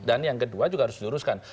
dan yang kedua juga harus diuruskan